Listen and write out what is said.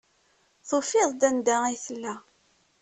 Tufiḍ-d anda ay tella.